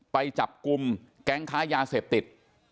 ไปจับกลุ่มแก๊งค้ายาเสพติด